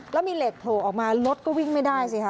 แล้วมีเหล็กโผล่ออกมารถก็วิ่งไม่ได้สิค่ะ